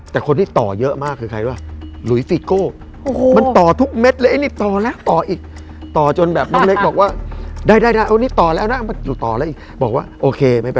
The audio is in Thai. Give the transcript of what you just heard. แต่คนที่ต่อเยอะมากคือใครรู้หรือว่า